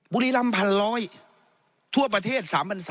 บุรีรำ๑๐๐ทั่วประเทศ๓๓๐๐